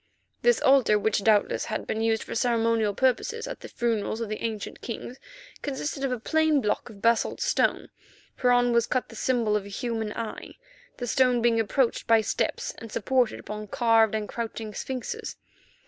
This altar, which, doubtless, had been used for ceremonial purposes at the funerals of the ancient Kings, consisted of a plain block of basalt stone, whereon was cut the symbol of a human eye, the stone being approached by steps and supported upon carved and crouching sphinxes.